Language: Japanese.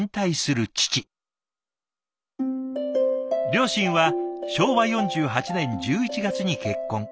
「両親は昭和４８年１１月に結婚。